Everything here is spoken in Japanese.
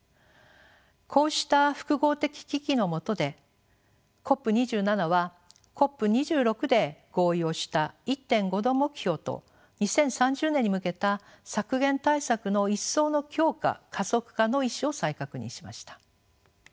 こうした複合的危機のもとでＣＯＰ２７はＣＯＰ２６で合意をした１．５℃目標と２０３０年に向けた削減対策の一層の強化加速化の意思を再確認しました。